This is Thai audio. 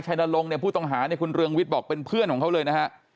ชายนรงในผู้ต้องหาคุณเรืองวิทย์บอกเป็นเพื่อนของเขาเลยนะฮะ